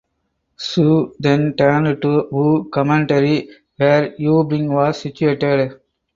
Su then turned to Wu Commandery where Yu Bing was situated.